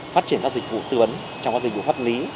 phát triển các dịch vụ tư vấn trong các dịch vụ pháp lý